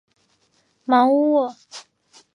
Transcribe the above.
芒乌沃。